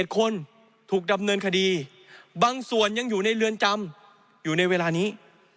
คนถูกดำเนินคดีบางส่วนยังอยู่ในเรือนจำอยู่ในเวลานี้